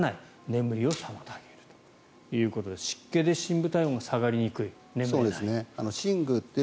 眠りを妨げるということで湿気で深部体温が下がりにくい眠れない。